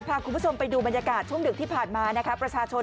พาคุณผู้ชมไปดูบรรยากาศช่วงดึกที่ผ่านมานะคะประชาชน